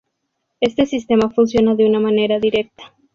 Este sistema funciona de una manera directa.